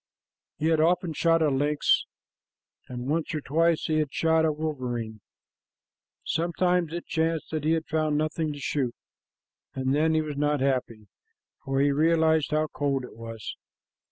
He had often shot a lynx, and once or twice he had shot a wolverine. Sometimes it chanced that he found nothing to shoot, and then he was not happy, for he realized how cold it was.